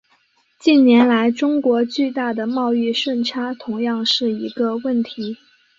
近年来中国巨大的贸易顺差同样是一个问题。